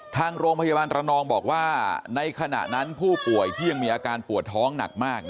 ทางโรงพยาบาลระนองบอกว่าในขณะนั้นผู้ป่วยที่ยังมีอาการปวดท้องหนักมาก